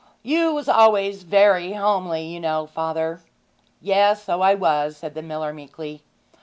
'You was always very homely, you know, father.' 'Yes; so I was,' said the miller meekly.